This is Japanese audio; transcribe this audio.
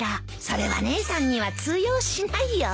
それは姉さんには通用しないよ。